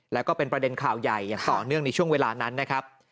แล้วก็เป็นประเด็นข่าวใหญ่อย่างต่อเนื่องในช่วงเวลานั้นนะครับ